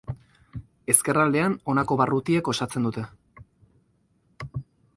Ezkerraldean honako barrutiek osatzen dute.